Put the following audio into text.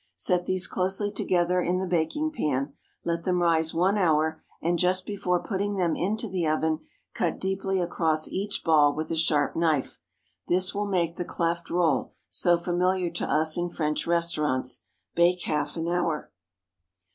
Set these closely together in the baking pan; let them rise one hour, and just before putting them into the oven, cut deeply across each ball with a sharp knife. This will make the cleft roll, so familiar to us in French restaurants. Bake half an hour.